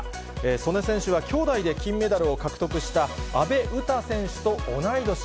素根選手は兄妹で金メダルを獲得した阿部詩選手と同い年。